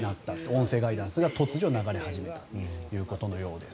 音声ガイダンスが突如流れ始めたということのようです。